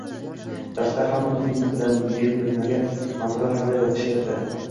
Darsda hamma turli men bilmagan mavzular haqida gaplashyapti